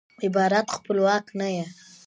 عبارت خپلواک نه يي.